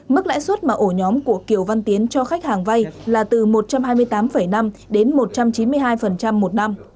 mức lãi suất mà ổ nhóm của kiều văn tiến cho khách hàng vay là từ một trăm hai mươi tám năm đến một trăm chín mươi hai một năm